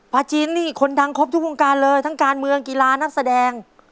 จีนนี่คนดังครบทุกวงการเลยทั้งการเมืองกีฬานักแสดง